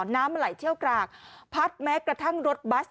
น้ำมันไหลเชี่ยวกรากพัดแม้กระทั่งรถบัส